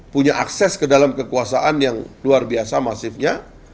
punya akses ke dalam kekuasaan yang luar biasa masifnya